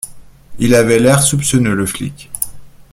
Il avait l’air soupçonneux, le flic.